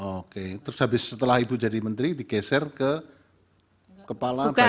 oke terus setelah ibu jadi menteri digeser ke kepala badan pangan beras